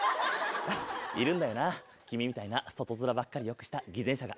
いるんだよな、君みたいな、外面ばっかりよくした偽善者が。